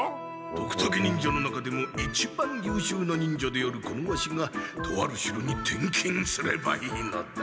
ドクタケ忍者の中でも一番ゆうしゅうな忍者であるこのワシがとある城に転勤すればいいのだ。